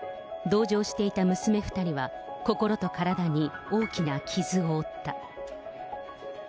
同乗していた娘２人は心と体に大きな傷を負った。